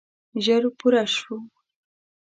ژر پوره شوه.